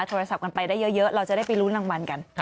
โทรศัพท์กันไปได้เยอะเราจะได้ไปลุ้นรางวัลกัน